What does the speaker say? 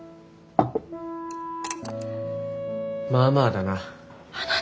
まあまあだな。